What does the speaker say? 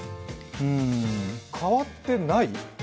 うーん、変わってない？